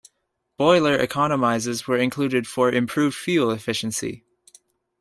Boiler economizers were included for improved fuel efficiency.